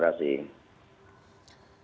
selamat sore mas terima kasih